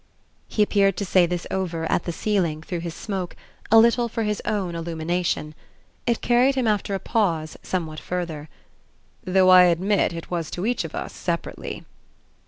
He appeared to say this over, at the ceiling, through his smoke, a little for his own illumination. It carried him after a pause somewhat further. "Though I admit it was to each of us separately."